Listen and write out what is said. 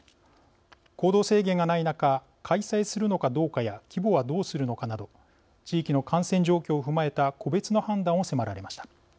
行動制限がない中開催するのかどうかや規模はどうするのかなど地域の感染状況を踏まえた個別の判断を迫られました。